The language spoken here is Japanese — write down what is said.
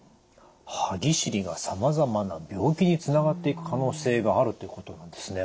歯ぎしりがさまざまな病気につながっていく可能性があるということなんですね。